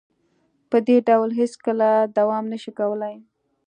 په دې ډول هیڅکله دوام نشي کولې